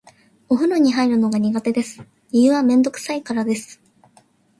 お風呂に入るのが苦手です。理由はめんどくさいからです。